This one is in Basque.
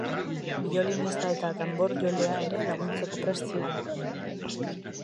Biolinista eta danborjolea ere laguntzeko prest ziren.